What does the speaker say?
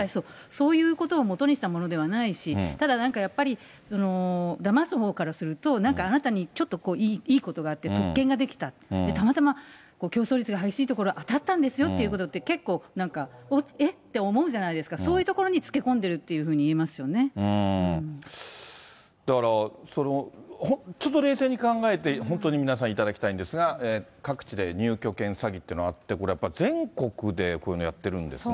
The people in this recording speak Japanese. そういうものをもとにしたものではないし、ただなんかやっぱり、だます方からすると、ちょっとあなたのほうにいいことができて、特権ができた、たまたま競争率が激しいところが当たったんですよっていうこと、結構、おっ、えって思うじゃないですか、そういうところにつけ込んでるっていだから、本当に冷静に考えて、本当に皆さん見ていただきたいんですが、各地で入居権詐欺っていうのがあって、これやっぱり全国でこういうのやってるんですね。